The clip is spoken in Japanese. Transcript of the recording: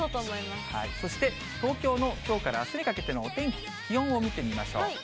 そして東京のきょうからあすにかけてのお天気、気温を見てみましょう。